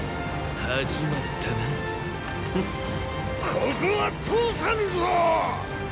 ここは通さぬぞォ！！